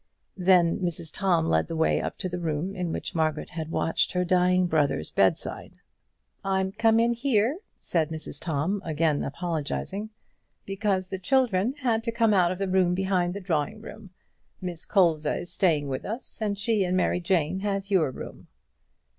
Then Mrs Tom led the way up to the room in which Margaret had watched by her dying brother's bed side. "I'm come in here," said Mrs Tom, again apologising, "because the children had to come out of the room behind the drawing room. Miss Colza is staying with us, and she and Mary Jane have your room."